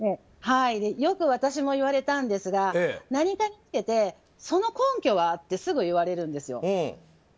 よく私も言われたんですが何かにつけてその根拠は？ってすぐ言われるんですよ。